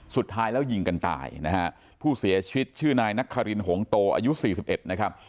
สุดท้ายแล้วยิงกันตายนะฮะผู้เสียชีวิตชื่อนายนักคารินหงโตอายุสี่สิบเอ็ดนะครับ